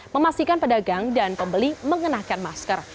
memastikan pedagang dan pembeli mengenakan masker